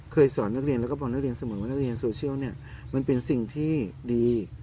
สอนนักเรียนแล้วก็บอลนักเรียนเสมอว่านักเรียนโซเชียลเนี่ยมันเป็นสิ่งที่ดี